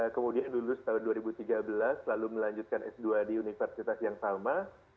kemudian lulus tahun dua ribu tiga belas lalu melanjutkan s dua di universitas yang sama